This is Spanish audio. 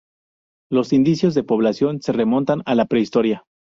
Los indicios de población se remontan a la Prehistoria.